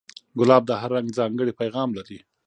ګلاب د هر رنگ ځانګړی پیغام لري.